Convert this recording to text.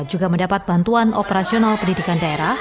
juga mendapat bantuan operasional pendidikan daerah